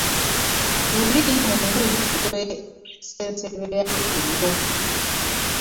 Luli mu nguuli gye twesenserera eyo!